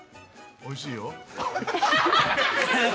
おいしいよ。